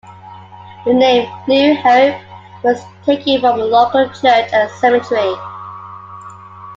The name "New Hope" was taken from a local church and cemetery.